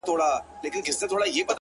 ما خپل گڼي اوس يې لا خـپـل نه يـمه ـ